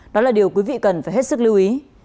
đó là điều quý vị cần phải hết sức lưu ý